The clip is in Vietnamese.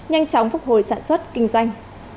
hội sản xuất kinh doanh